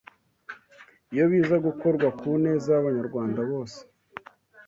iyo biza gukorwa ku neza y’Abanyarwanda bose